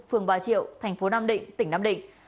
phường bà triệu thành phố nam định tỉnh nam định